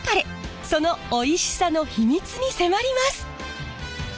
そのおいしさの秘密に迫ります！